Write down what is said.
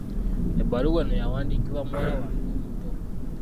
Ebbaluwa eno yawandiikibwa muwala wange omuto.